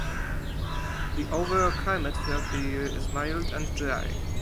The overall climate throughout the year is mild and dry.